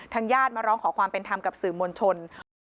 ญาติมาร้องขอความเป็นธรรมกับสื่อมวลชน